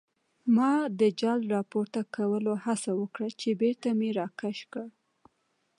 ما د جال راپورته کولو هڅه وکړه چې بېرته مې راکش کړ.